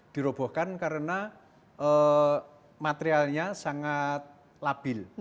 dirobohkan karena materialnya sangat labil